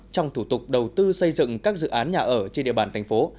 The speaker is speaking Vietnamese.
trong thủ tục đầu tư xây dựng các dự án nhà ở trên địa bàn thành phố